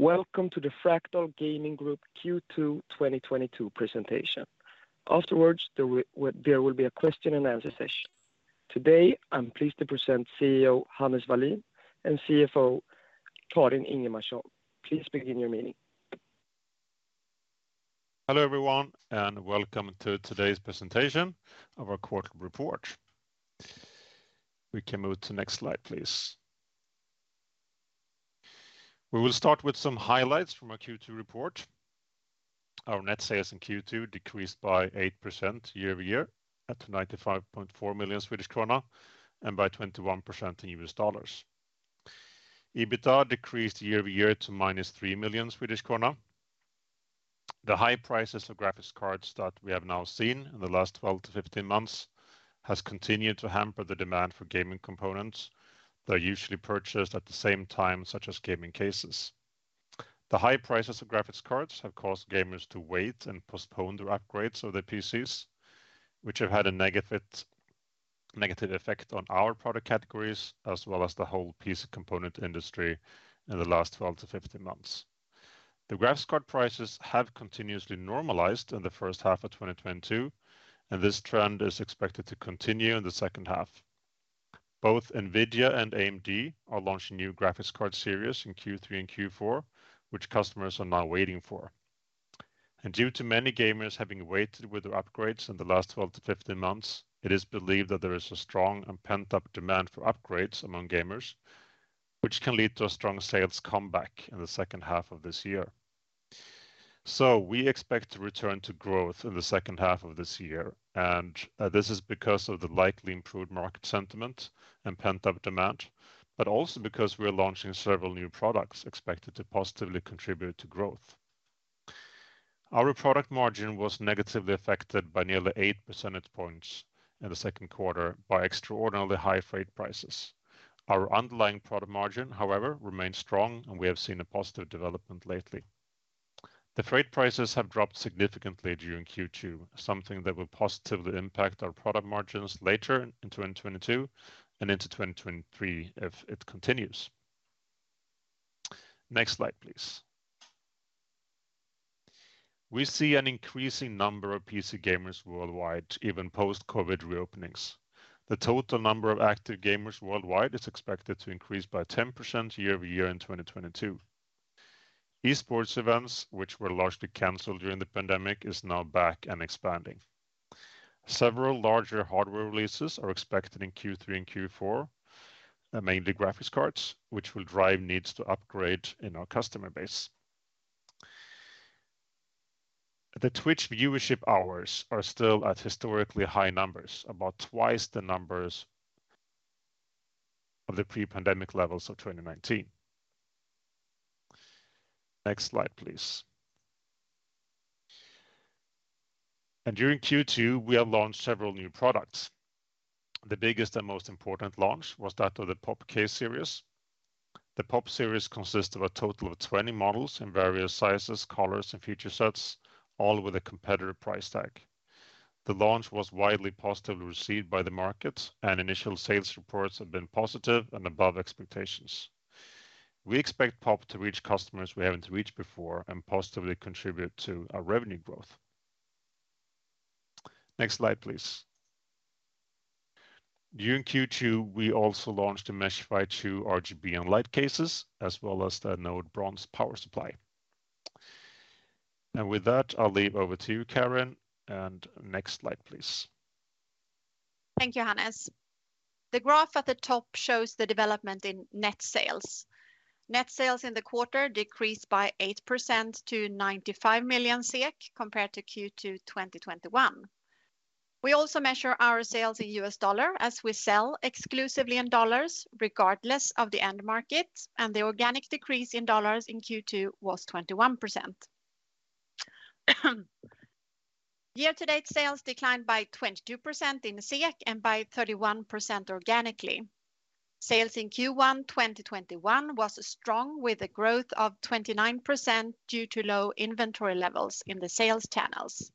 Welcome to the Fractal Gaming Group Q2 2022 presentation. Afterwards, there will be a question and answer session. Today, I'm pleased to present CEO Hannes Wallin and CFO Karin Ingemarson. Please begin your meeting. Hello, everyone, and welcome to today's presentation of our quarter report. We can move to next slide, please. We will start with some highlights from our Q2 report. Our net sales in Q2 decreased by 8% year-over-year to 95.4 million Swedish krona, and by 21% in U.S. dollars. EBITDA decreased year-over-year to -3 million Swedish krona. The high prices of graphics cards that we have now seen in the last 12-15 months has continued to hamper the demand for gaming components that are usually purchased at the same time, such as gaming cases. The high prices of graphics cards have caused gamers to wait and postpone their upgrades of their PCs, which have had a negative effect on our product categories, as well as the whole PC component industry in the last 12-15 months. The graphics card prices have continuously normalized in the first half of 2022, and this trend is expected to continue in the second half. Both NVIDIA and AMD are launching new graphics card series in Q3 and Q4, which customers are now waiting for. Due to many gamers having waited with their upgrades in the last 12-15 months, it is believed that there is a strong and pent-up demand for upgrades among gamers, which can lead to a strong sales comeback in the second half of this year. We expect to return to growth in the second half of this year, and this is because of the likely improved market sentiment and pent-up demand, but also because we're launching several new products expected to positively contribute to growth. Our product margin was negatively affected by nearly 8 percentage points in the second quarter by extraordinarily high freight prices. Our underlying product margin, however, remains strong, and we have seen a positive development lately. The freight prices have dropped significantly during Q2, something that will positively impact our product margins later in 2022 and into 2023 if it continues. Next slide, please. We see an increasing number of PC gamers worldwide, even post-COVID reopenings. The total number of active gamers worldwide is expected to increase by 10% year-over-year in 2022. Esports events, which were largely canceled during the pandemic, is now back and expanding. Several larger hardware releases are expected in Q3 and Q4, mainly graphics cards, which will drive needs to upgrade in our customer base. The Twitch viewership hours are still at historically high numbers, about twice the numbers of the pre-pandemic levels of 2019. Next slide, please. During Q2, we have launched several new products. The biggest and most important launch was that of the Pop Series. The Pop Series consists of a total of 20 models in various sizes, colors, and feature sets, all with a competitive price tag. The launch was widely positively received by the market, and initial sales reports have been positive and above expectations. We expect Pop to reach customers we haven't reached before and positively contribute to our revenue growth. Next slide, please. During Q2, we also launched the Meshify 2 RGB cases, as well as the Anode Bronze power supply. With that, I'll turn it over to you, Karin. Next slide, please. Thank you, Hannes. The graph at the top shows the development in net sales. Net sales in the quarter decreased by 8% to 95 million SEK compared to Q2 2021. We also measure our sales in U.S. dollar as we sell exclusively in dollars regardless of the end market, and the organic decrease in dollars in Q2 was 21%. Year to date, sales declined by 22% in SEK and by 31% organically. Sales in Q1 2021 was strong with a growth of 29% due to low inventory levels in the sales channels.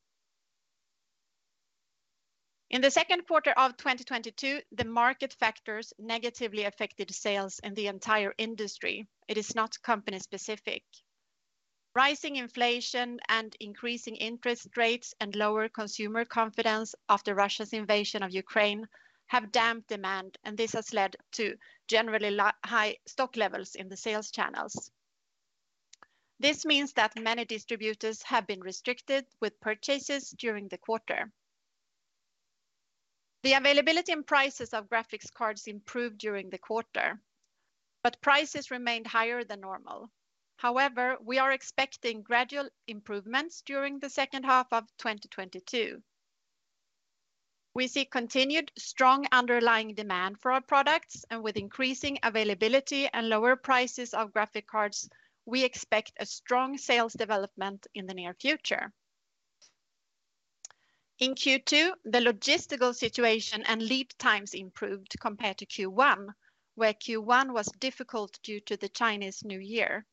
In the second quarter of 2022, the market factors negatively affected sales in the entire industry. It is not company specific. Rising inflation and increasing interest rates and lower consumer confidence after Russia's invasion of Ukraine have dampened demand, and this has led to generally high stock levels in the sales channels. This means that many distributors have been restricted with purchases during the quarter. The availability and prices of graphics cards improved during the quarter, but prices remained higher than normal. However, we are expecting gradual improvements during the second half of 2022. We see continued strong underlying demand for our products, and with increasing availability and lower prices of graphics cards, we expect a strong sales development in the near future. In Q2, the logistical situation and lead times improved compared to Q1, where Q1 was difficult due to the Chinese New Year.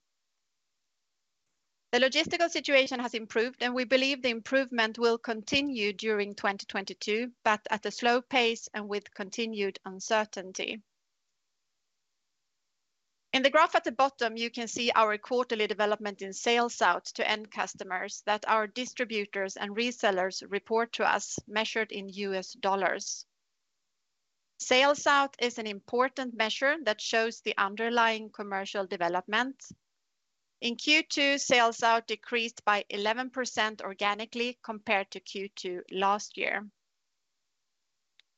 The logistical situation has improved, and we believe the improvement will continue during 2022, but at a slow pace and with continued uncertainty. In the graph at the bottom, you can see our quarterly development in sales out to end customers that our distributors and resellers report to us measured in U.S. dollars. Sales out is an important measure that shows the underlying commercial development. In Q2, sales out decreased by 11% organically compared to Q2 last year.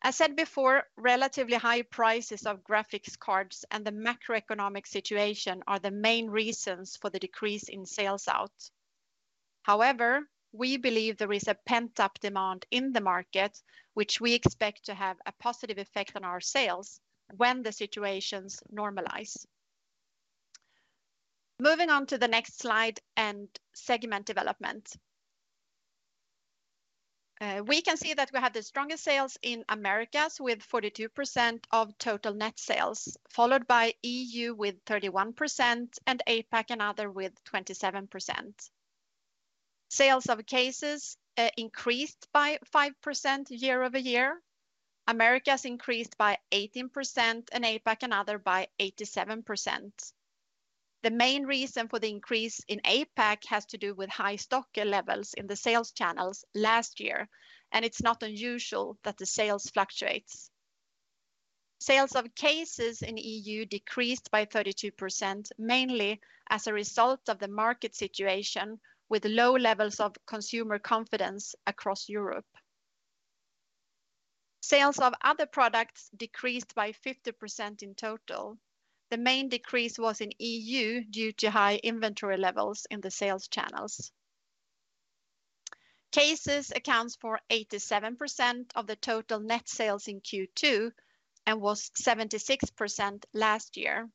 As said before, relatively high prices of graphics cards and the macroeconomic situation are the main reasons for the decrease in sales out. However, we believe there is a pent-up demand in the market, which we expect to have a positive effect on our sales when the situations normalize. Moving on to the next slide and segment development. We can see that we had the strongest sales in Americas with 42% of total net sales, followed by EU with 31% and APAC and other with 27%. Sales of cases increased by 5% year-over-year. Americas increased by 18%, and APAC and other by 87%. The main reason for the increase in APAC has to do with high stock levels in the sales channels last year, and it's not unusual that the sales fluctuates. Sales of cases in EU decreased by 32%, mainly as a result of the market situation with low levels of consumer confidence across Europe. Sales of other products decreased by 50% in total. The main decrease was in EU due to high inventory levels in the sales channels. Cases accounts for 87% of the total net sales in Q2 and was 76% last year.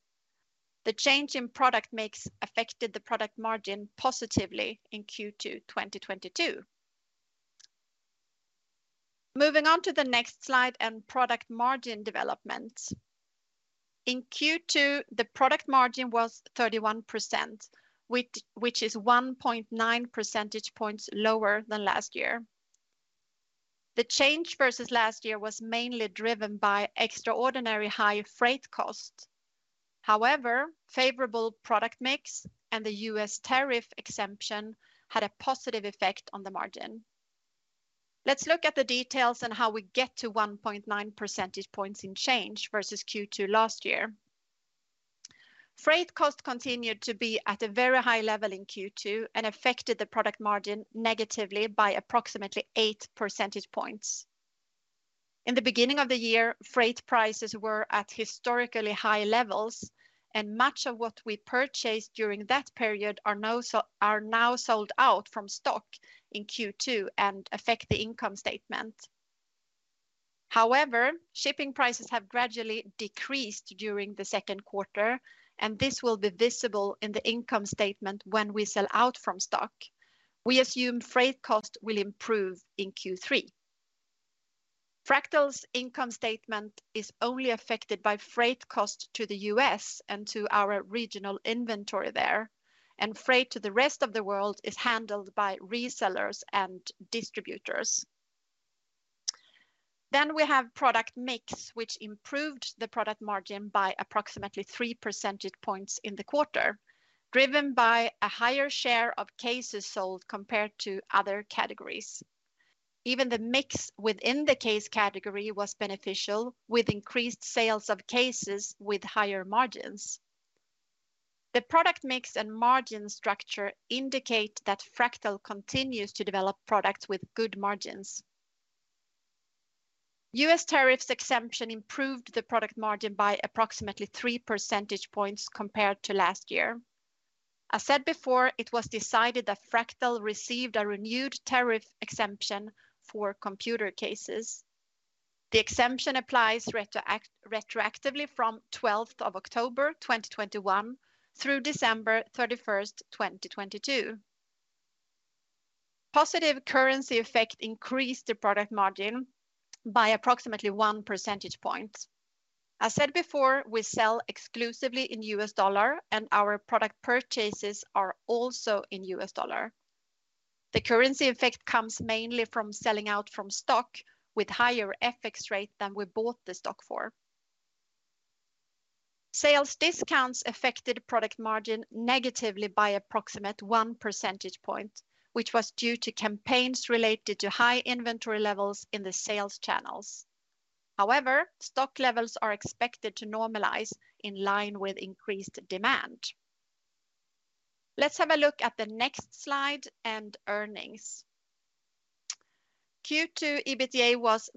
The change in product mix affected the product margin positively in Q2 2022. Moving on to the next slide and product margin development. In Q2, the product margin was 31%, which is 1.9 percentage points lower than last year. The change versus last year was mainly driven by extraordinarily high freight costs. However, favorable product mix and the U.S. tariff exemption had a positive effect on the margin. Let's look at the details on how we get to 1.9 percentage points in change versus Q2 last year. Freight cost continued to be at a very high level in Q2 and affected the product margin negatively by approximately 8 percentage points. In the beginning of the year, freight prices were at historically high levels, and much of what we purchased during that period are now sold out from stock in Q2 and affect the income statement. However, shipping prices have gradually decreased during the second quarter, and this will be visible in the income statement when we sell out from stock. We assume freight cost will improve in Q3. Fractal's income statement is only affected by freight cost to the U.S. and to our regional inventory there, and freight to the rest of the world is handled by resellers and distributors. We have product mix, which improved the product margin by approximately 3 percentage points in the quarter, driven by a higher share of cases sold compared to other categories. Even the mix within the case category was beneficial with increased sales of cases with higher margins. The product mix and margin structure indicate that Fractal continues to develop products with good margins. U.S. tariffs exemption improved the product margin by approximately 3 percentage points compared to last year. As said before, it was decided that Fractal received a renewed tariff exemption for computer cases. The exemption applies retroactively from the twelfth of October 2021 through December 31, 2022. Positive currency effect increased the product margin by approximately 1 percentage point. As said before, we sell exclusively in U.S. dollar, and our product purchases are also in U.S. dollar. The currency effect comes mainly from selling out from stock with higher FX rate than we bought the stock for. Sales discounts affected product margin negatively by approximately 1 percentage point, which was due to campaigns related to high inventory levels in the sales channels. However, stock levels are expected to normalize in line with increased demand. Let's have a look at the next slide and earnings. Q2 EBITDA was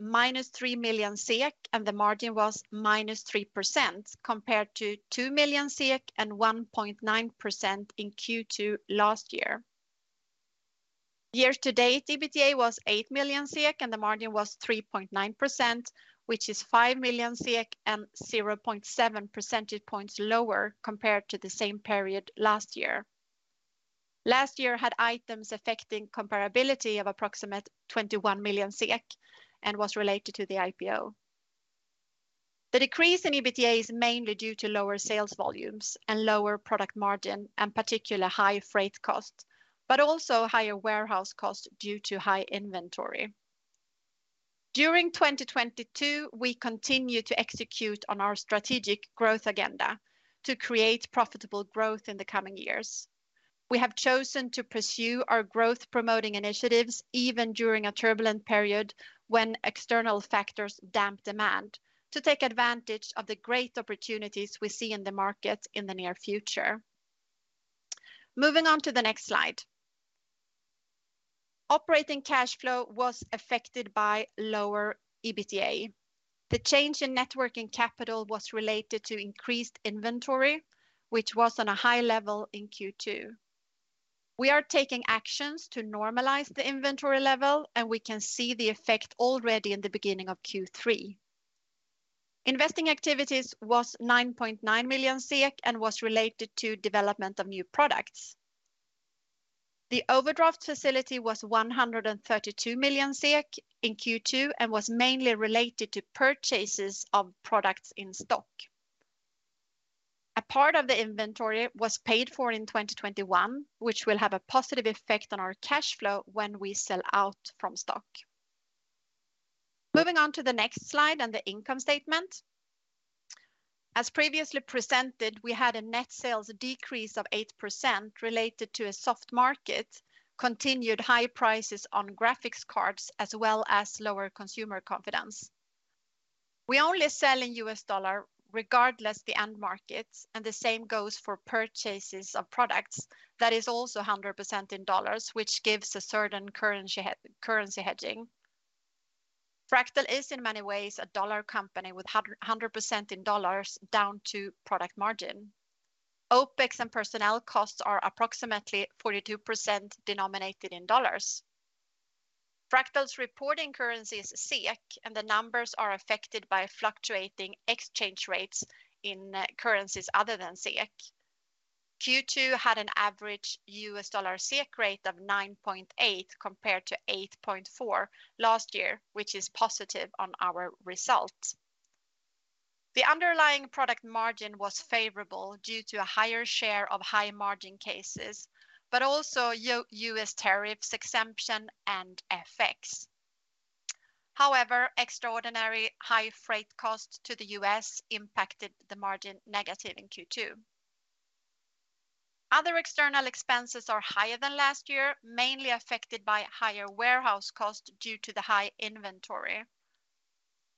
3 million SEK-, and the margin was 3%- compared to 2 million SEK and 1.9% in Q2 last year. Year to date, EBITDA was 8 million, and the margin was 3.9%, which is 5 million and 0.7 percentage points lower compared to the same period last year. Last year had items affecting comparability of approximate 21 million SEK and was related to the IPO. The decrease in EBITDA is mainly due to lower sales volumes and lower product margin and particularly high freight costs, but also higher warehouse costs due to high inventory. During 2022, we continued to execute on our strategic growth agenda to create profitable growth in the coming years. We have chosen to pursue our growth-promoting initiatives even during a turbulent period when external factors dampen demand to take advantage of the great opportunities we see in the market in the near future. Moving on to the next slide. Operating cash flow was affected by lower EBITDA. The change in net working capital was related to increased inventory, which was on a high level in Q2. We are taking actions to normalize the inventory level, and we can see the effect already in the beginning of Q3. Investing activities was 9.9 million and was related to development of new products. The overdraft facility was 132 million SEK in Q2 and was mainly related to purchases of products in stock. A part of the inventory was paid for in 2021, which will have a positive effect on our cash flow when we sell out from stock. Moving on to the next slide and the income statement. As previously presented, we had a net sales decrease of 8% related to a soft market, continued high prices on graphics cards, as well as lower consumer confidence. We only sell in U.S. dollar regardless the end markets, and the same goes for purchases of products that is also 100% in dollars, which gives a certain currency hedging. Fractal is in many ways a dollar company with 100% in dollars down to product margin. OpEx and personnel costs are approximately 42% denominated in dollars. Fractal's reporting currency is SEK, and the numbers are affected by fluctuating exchange rates in currencies other than SEK. Q2 had an average U.S. dollar SEK rate of 9.8 compared to 8.4 last year, which is positive on our results. The underlying product margin was favorable due to a higher share of high-margin cases, but also U.S. tariffs exemption and FX. However, extraordinary high freight costs to the U.S. impacted the margin negative in Q2. Other external expenses are higher than last year, mainly affected by higher warehouse costs due to the high inventory.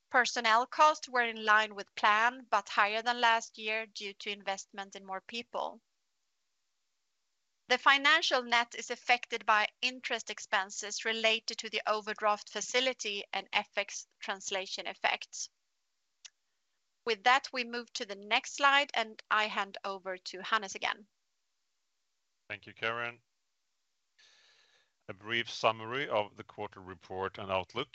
Personnel costs were in line with plan, but higher than last year due to investment in more people. The financial net is affected by interest expenses related to the overdraft facility and FX translation effects. With that, we move to the next slide, and I hand over to Hannes again. Thank you, Karin. A brief summary of the quarter report and outlook.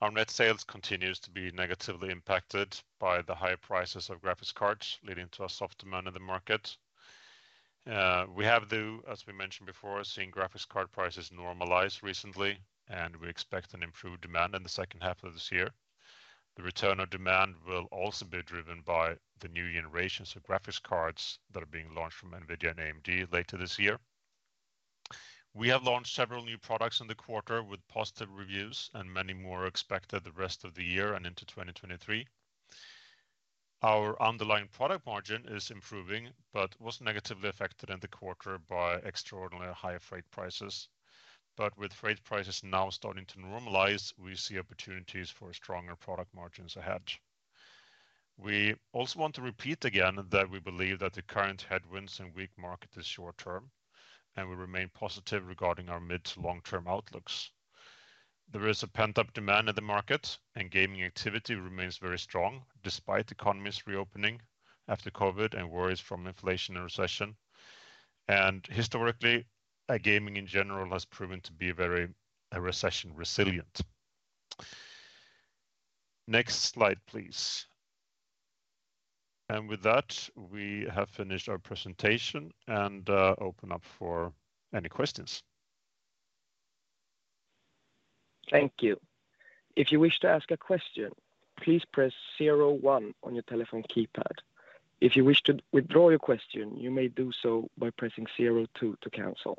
Our net sales continues to be negatively impacted by the high prices of graphics cards, leading to a soft demand in the market. We have, though, as we mentioned before, seen graphics card prices normalize recently, and we expect an improved demand in the second half of this year. The return of demand will also be driven by the new generations of graphics cards that are being launched from NVIDIA and AMD later this year. We have launched several new products in the quarter with positive reviews and many more expected the rest of the year and into 2023. Our underlying product margin is improving but was negatively affected in the quarter by extraordinarily higher freight prices. With freight prices now starting to normalize, we see opportunities for stronger product margins ahead. We also want to repeat again that we believe that the current headwinds and weak market is short term, and we remain positive regarding our mid to long-term outlooks. There is a pent-up demand in the market, and gaming activity remains very strong despite economies reopening after COVID and worries from inflation and recession. Historically, gaming in general has proven to be very recession resilient. Next slide, please. With that, we have finished our presentation and open up for any questions. Thank you. If you wish to ask a question, please press zero one on your telephone keypad. If you wish to withdraw your question, you may do so by pressing zero two to cancel.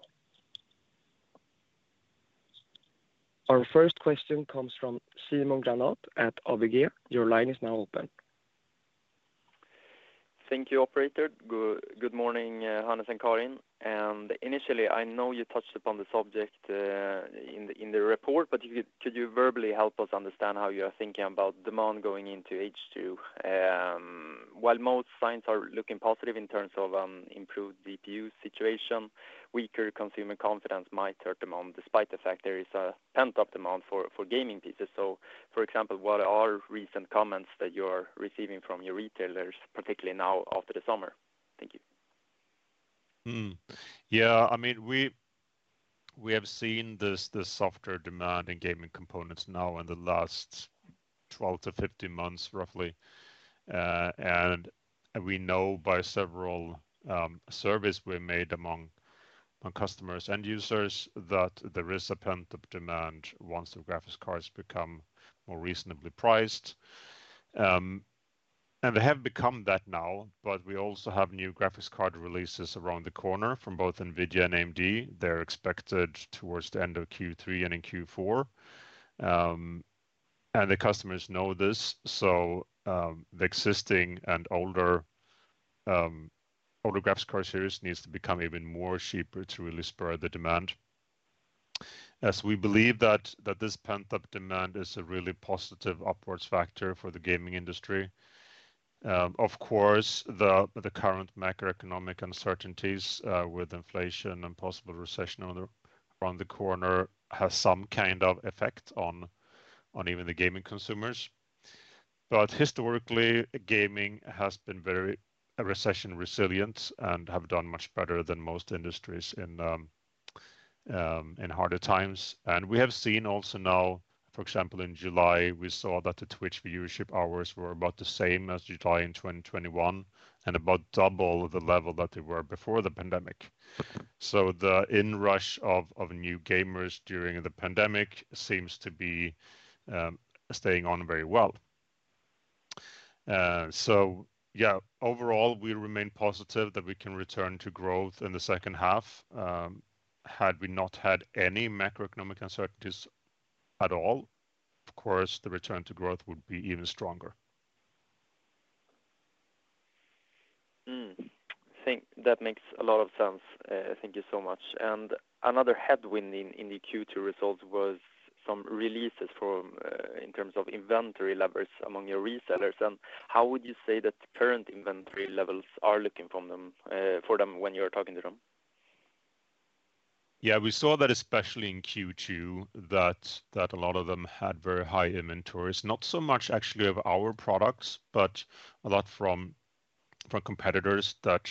Our first question comes from Simon Granath at ABG. Your line is now open. Thank you, operator. Good morning, Hannes and Karin. Initially, I know you touched upon this subject in the report, but could you verbally help us understand how you are thinking about demand going into H2? While most signs are looking positive in terms of improved GPU situation, weaker consumer confidence might hurt demand despite the fact there is a pent-up demand for gaming PCs. For example, what are recent comments that you are receiving from your retailers, particularly now after the summer? Thank you. Yeah, I mean, we have seen this softer demand in gaming components now in the last 12-15 months, roughly, and we know by several surveys we made among customers, end users that there is a pent-up demand once the graphics cards become more reasonably priced. And they have become that now, but we also have new graphics card releases around the corner from both NVIDIA and AMD. They're expected towards the end of Q3 and in Q4. And the customers know this, so the existing and older graphics card series needs to become even more cheaper to really spur the demand. We believe that this pent-up demand is a really positive upwards factor for the gaming industry. Of course, the current macroeconomic uncertainties with inflation and possible recession around the corner has some kind of effect on even the gaming consumers. Historically, gaming has been very recession resilient and have done much better than most industries in harder times. We have seen also now, for example, in July, we saw that the Twitch viewership hours were about the same as July in 2021 and about double the level that they were before the pandemic. The inrush of new gamers during the pandemic seems to be staying on very well. Yeah, overall, we remain positive that we can return to growth in the second half. Had we not had any macroeconomic uncertainties at all, of course, the return to growth would be even stronger. I think that makes a lot of sense. Thank you so much. Another headwind in the Q2 results was some releases in terms of inventory levels among your resellers. How would you say that current inventory levels are looking from them for them when you're talking to them? Yeah, we saw that especially in Q2 that a lot of them had very high inventories. Not so much actually of our products, but a lot from competitors that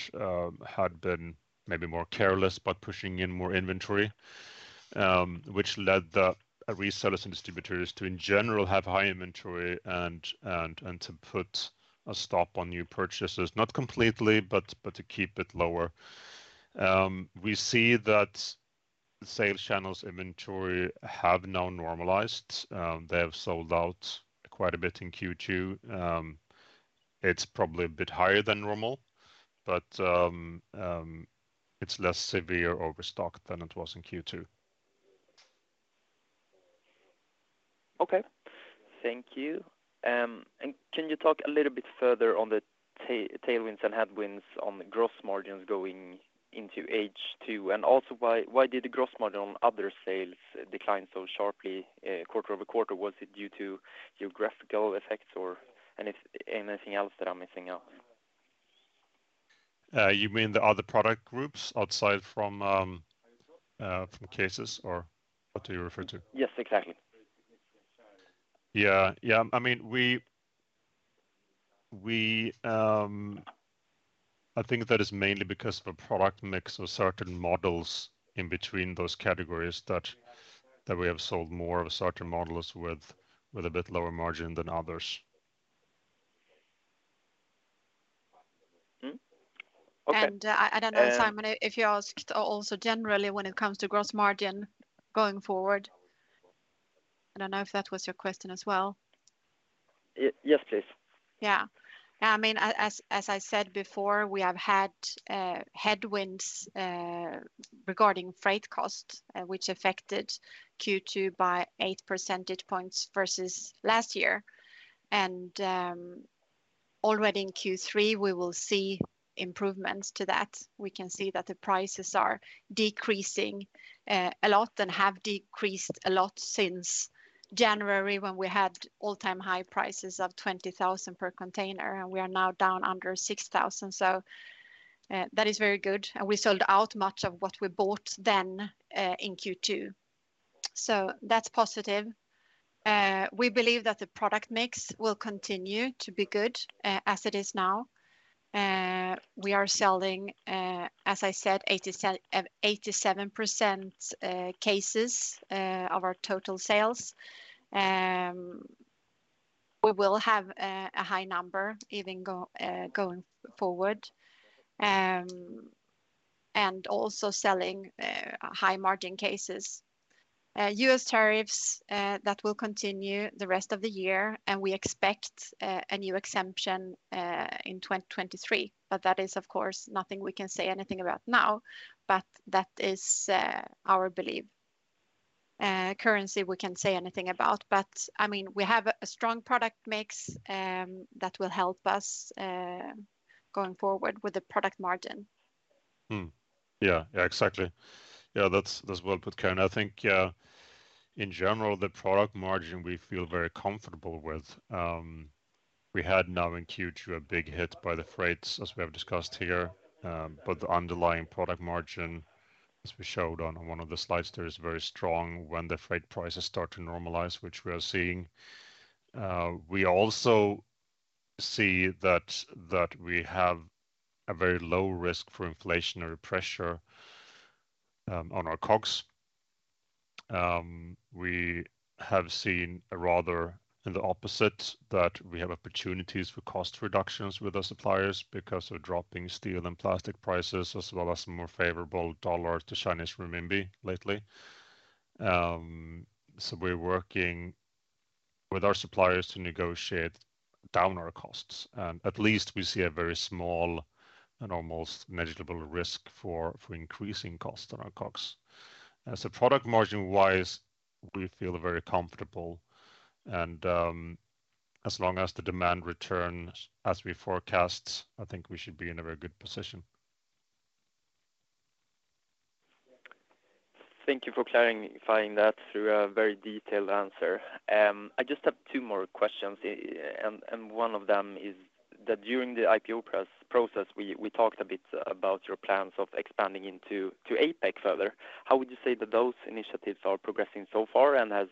had been maybe more careless about pushing in more inventory, which led the resellers and distributors to in general have high inventory and to put a stop on new purchases. Not completely, but to keep it lower. We see that sales channels inventory have now normalized. They have sold out quite a bit in Q2. It's probably a bit higher than normal, but it's less severe overstock than it was in Q2. Okay. Thank you. Can you talk a little bit further on the tailwinds and headwinds on the gross margins going into H2? Also why did the gross margin on other sales decline so sharply, quarter-over-quarter? Was it due to geographical effects or anything else that I'm missing out? You mean the other product groups outside from cases or what do you refer to? Yes, exactly. I mean, I think that is mainly because of a product mix of certain models in between those categories that we have sold more of certain models with a bit lower margin than others. Okay. I don't know, Simon, if you asked also generally when it comes to gross margin going forward. I don't know if that was your question as well. Yes, please. Yeah. Yeah, I mean, as I said before, we have had headwinds regarding freight costs, which affected Q2 by 8 percentage points versus last year. Already in Q3, we will see improvements to that. We can see that the prices are decreasing a lot and have decreased a lot since January when we had all-time high prices of 20,000 per container, and we are now down under 6,000. That is very good. We sold out much of what we bought then in Q2. That's positive. We believe that the product mix will continue to be good as it is now. We are selling, as I said, 87% cases of our total sales. We will have a high number even going forward. Also selling high margin cases. U.S. tariffs that will continue the rest of the year, and we expect a new exemption in 2023. That is of course nothing we can say anything about now, but that is our belief. Currency we can't say anything about, but I mean, we have a strong product mix that will help us going forward with the product margin. Exactly. That's well put, Karin. I think in general, the product margin we feel very comfortable with. We had now in Q2 a big hit by the freights, as we have discussed here. The underlying product margin, as we showed on one of the slides there, is very strong when the freight prices start to normalize, which we are seeing. We also see that we have a very low risk for inflationary pressure on our COGS. We have seen rather the opposite that we have opportunities for cost reductions with our suppliers because of dropping steel and plastic prices, as well as more favorable dollar to Chinese renminbi lately. We're working with our suppliers to negotiate down our costs, and at least we see a very small and almost negligible risk for increasing costs on our COGS. As a product margin-wise, we feel very comfortable and, as long as the demand returns as we forecast, I think we should be in a very good position. Thank you for clarifying that through a very detailed answer. I just have two more questions. One of them is that during the IPO process, we talked a bit about your plans of expanding into APAC further. How would you say that those initiatives are progressing so far, and has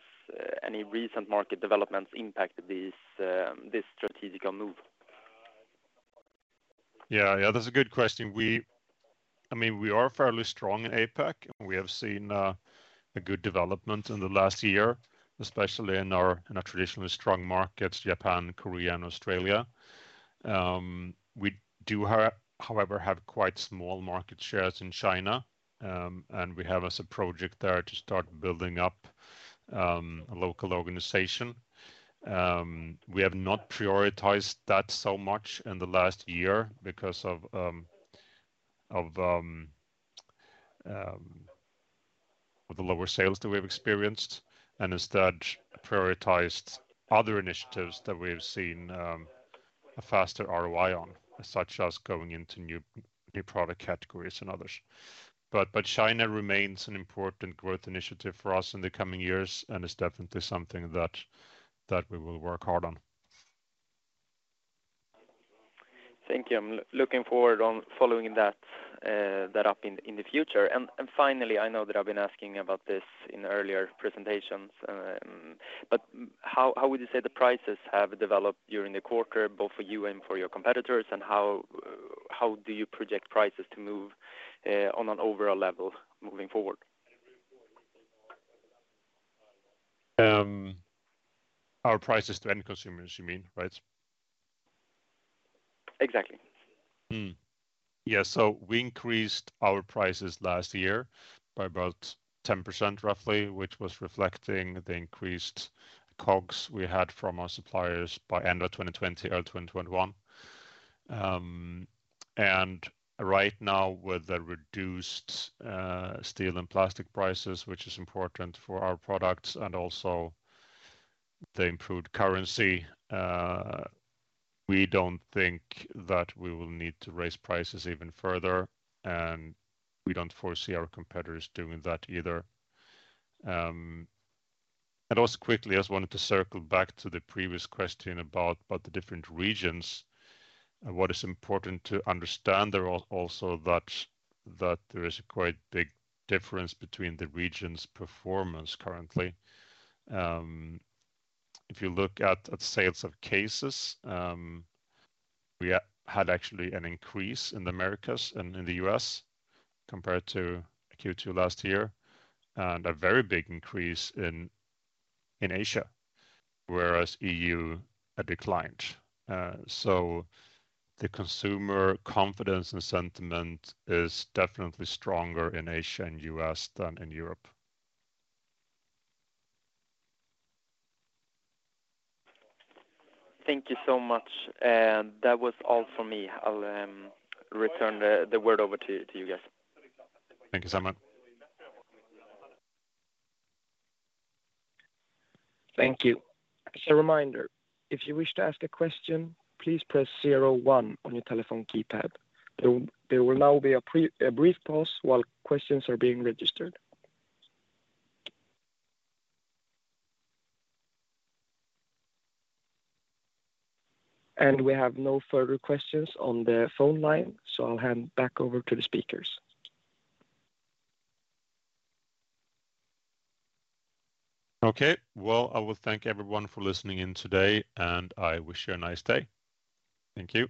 any recent market developments impacted this strategic move? Yeah, yeah. That's a good question. I mean, we are fairly strong in APAC, and we have seen a good development in the last year, especially in our traditionally strong markets, Japan, Korea, and Australia. We do, however, have quite small market shares in China, and we have as a project there to start building up a local organization. We have not prioritized that so much in the last year because of the lower sales that we've experienced and instead prioritized other initiatives that we have seen a faster ROI on, such as going into new product categories and others. China remains an important growth initiative for us in the coming years and is definitely something that we will work hard on. Thank you. I'm looking forward on following that up in the future. Finally, I know that I've been asking about this in earlier presentations, but how would you say the prices have developed during the quarter, both for you and for your competitors? How do you project prices to move on an overall level moving forward? Our prices to end consumers, you mean, right? Exactly. We increased our prices last year by about 10%, roughly, which was reflecting the increased COGS we had from our suppliers by end of 2020 or 2021. Right now, with the reduced steel and plastic prices, which is important for our products and also the improved currency, we don't think that we will need to raise prices even further, and we don't foresee our competitors doing that either. I just wanted to circle back to the previous question about the different regions. What is important to understand there also that there is a quite big difference between the regions' performance currently. If you look at sales of cases, we had actually an increase in the Americas and in the U.S. compared to Q2 last year, and a very big increase in Asia, whereas E.U. declined. The consumer confidence and sentiment is definitely stronger in Asia and U.S. than in Europe. Thank you so much. That was all for me. I'll return the word over to you guys. Thank you Simon. Thank you. As a reminder, if you wish to ask a question, please press zero one on your telephone keypad. There will now be a brief pause while questions are being registered. We have no further questions on the phone line, so I'll hand back over to the speakers. Okay. Well, I will thank everyone for listening in today, and I wish you a nice day. Thank you.